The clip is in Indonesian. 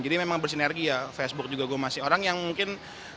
jadi memang bersinergi ya facebook juga gue masih orang yang mungkin